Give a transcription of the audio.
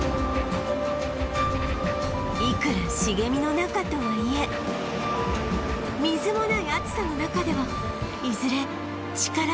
いくら茂みの中とはいえ水もない暑さの中ではいずれ力尽きてしまうのでは？